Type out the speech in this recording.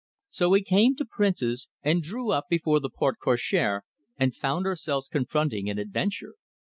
So we came to Prince's, and drew up before the porte cochere, and found ourselves confronting an adventure.